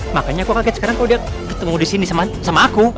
makanya aku kaget sekarang kau udah ketemu disini sama aku